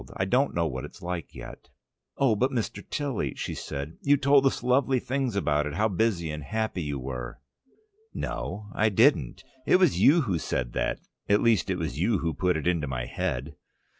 I don't know what it's like yet." "Oh, but, Mr. Tilly," said she. "You told us lovely things about it, how busy and happy you were." "No, I didn't. It was you who said that, at least it was you who put it into my head."